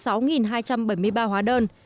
số tiền hàng hóa dịch vụ ghi khống trên hóa đơn